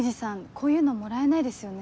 こういうのもらえないですよね？